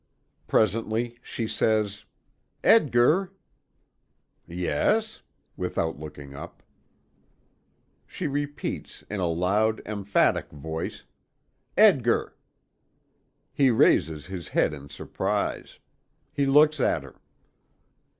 Presently she says: "Edgar!" "Yes?" without looking up. She repeats in a loud, emphatic voice: "Edgar!" He raises his head in surprise. He looks at her.